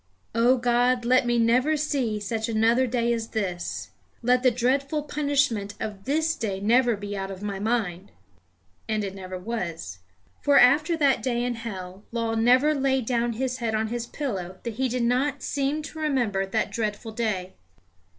"O God, let me never see such another day as this. Let the dreadful punishment of this day never be out of my mind." And it never was. For, after that day in hell, Law never laid down his head on his pillow that he did not seem to remember that dreadful day.